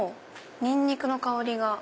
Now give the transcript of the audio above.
ニンニクの香りが。